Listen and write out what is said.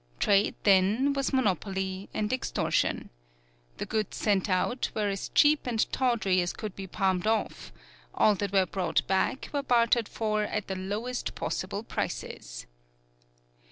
Trade then was monopoly and extortion. The goods sent out were as cheap and tawdry as could be palmed off; all that were brought back were bartered for at the lowest possible prices.